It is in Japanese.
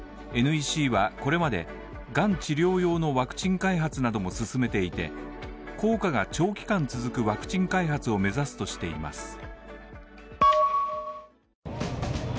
ＮＥＣはこれまで、がん治療用のワクチン開発なども進めていて効果が長期間続くワクチン開発を目指すとしています。